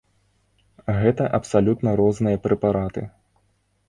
Гэта абсалютна розныя прэпараты.